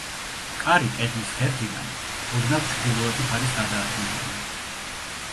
კარი კედლის ღერძიდან ოდნავ ჩრდილოეთით არის გადაადგილებული.